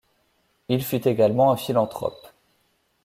Il fut également un philanthrope.